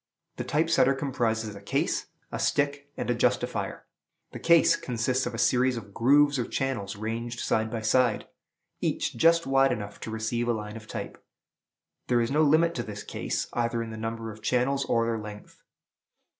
The Type setter comprises a case, a stick, and a justifier. The case consists of a series of grooves or channels ranged side by side, each just wide enough to receive a line of type. There is no limit to this case, either in the number of channels, or their length.